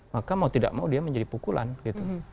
maka mau tidak mau dia menjadi pukulan gitu